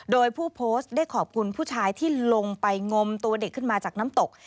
โดยผู้โพสต์ได้ขอบคุณผู้ชายที่ลงไปงมตัวเด็กขึ้นมาจากน้ำตก